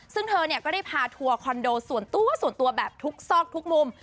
ซึ่งเธอก็ได้พาทัวร์คอนโดส่วนตัวส่วนตัวแบบทุกซอกทุกมุม